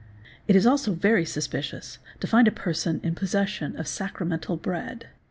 It is also very suspicious to find a person in possession of sacramental bread.